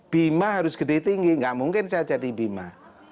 bima harus gede tinggi nggak mungkin saya jadi bima